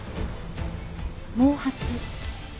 毛髪？